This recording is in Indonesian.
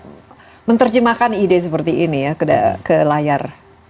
bagaimana cara menerjemahkan ide seperti ini ya ke layar